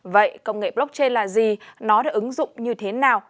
vậy công nghệ blockchain là gì nó được ứng dụng như thế nào